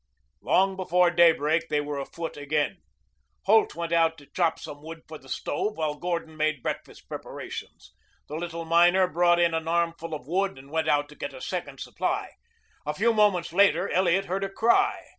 Long before daybreak they were afoot again. Holt went out to chop some wood for the stove while Gordon made breakfast preparations. The little miner brought in an armful of wood and went out to get a second supply. A few moments later Elliot heard a cry.